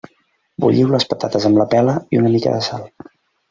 Bulliu les patates amb la pela i una mica de sal.